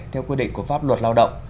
theo quy định của pháp luật lao động